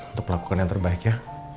untuk melakukan yang terbaik ya